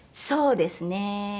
そうですね。